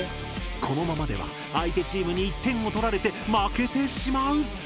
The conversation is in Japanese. このままでは相手チームに１点を取られて負けてしまう。